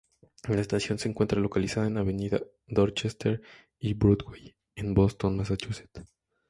La estación se encuentra localizada en Avenida Dorchester y Broadway en Boston, Massachusetts.